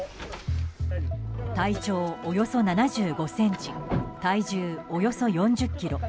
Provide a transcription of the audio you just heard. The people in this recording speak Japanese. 体長およそ７５ｃｍ体重およそ４０ｋｇ。